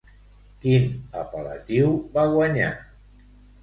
Quin apel·latiu va guanyar?